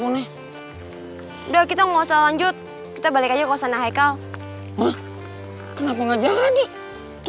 udah kita mau selanjutnya balik aja kau sana hai kalau